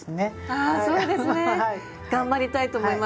あそうですね。頑張りたいと思います。